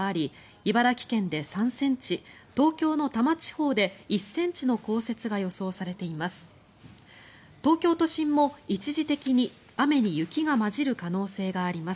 茨城県で３ｃｍ東京の多摩地方で１ｃｍの降雪が予想されています。